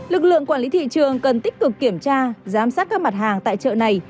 lực lượng quản lý thị trường cần tích cực kiểm tra giám sát các mặt hàng tại chợ này